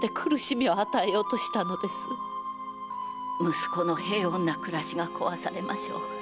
息子の平穏な暮らしが壊されましょう。